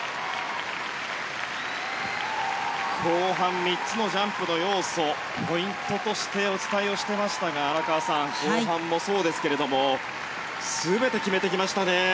後半３つのジャンプの要素ポイントとしてお伝えをしていましたが荒川さん後半もそうですけれども全て決めてきましたね。